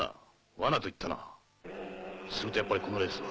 罠と言ったなするとやっぱりこのレースは。